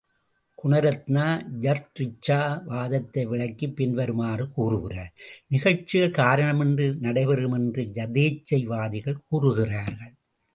குணரத்னா, யத்ரிச்சா வாதத்தை விளக்கிப் பின்வருமாறு கூறுகிறார் நிகழ்ச்சிகள் காரணமின்றி நடைபெறும் என்று யதேச்சை வாதிகள் கூறுகிறார்கள்.